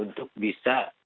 untuk bisa rekrut nanti